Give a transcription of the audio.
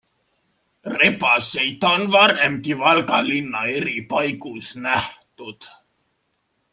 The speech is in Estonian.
Rebaseid on varemgi Valga linna eri paigus nähtud.